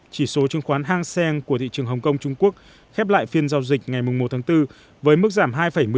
chỉ số chứng khoán hang seng của thị trường hồng kông trung quốc khép lại phiên giao dịch ngày một tháng bốn với mức giảm hai một mươi bốn